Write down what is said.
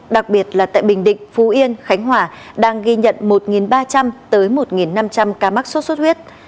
đặc biệt là tại bình định phú yên khánh hòa đang ghi nhận một ba trăm linh tới một năm trăm linh ca mắc sốt xuất huyết